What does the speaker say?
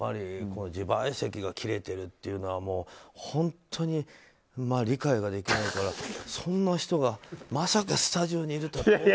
自賠責が切れてるというのは本当に理解ができないからそんな人がまさかスタジオにいるとはね。